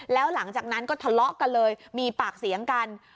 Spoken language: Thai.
แล้วหลังจากนั้นก็ทะเลาะกันเลยมีปากเสียงกัน